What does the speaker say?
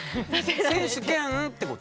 選手兼ってこと？